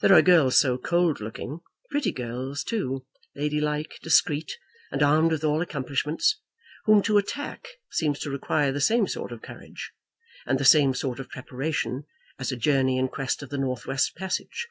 There are girls so cold looking, pretty girls, too, ladylike, discreet, and armed with all accomplishments, whom to attack seems to require the same sort of courage, and the same sort of preparation, as a journey in quest of the north west passage.